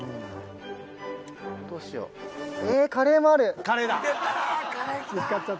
カレーか。